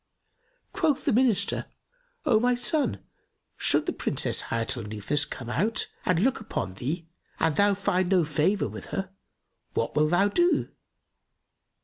Quoth the Minister, "O my son, should the Princess Hayat al Nufus come out and look upon thee and thou find no favour with her what wilt thou do?"